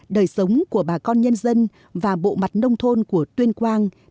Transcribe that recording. đời sống của bà con nhân dân và bộ mặt nông thôn của tuyên quang